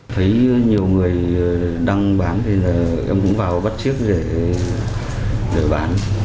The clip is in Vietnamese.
thấy nhiều người đăng bán thì là em cũng vào bắt chiếc để bán